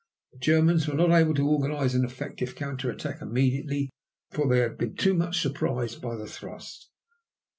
The Germans were not able to organize an effective counter attack immediately, for they had been too much surprised by the thrust.